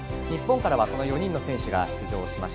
日本からは４人の選手が出場。